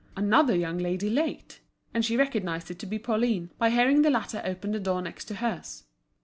Another young lady late! And she recognised it to be Pauline, by hearing the latter open the door next to hers.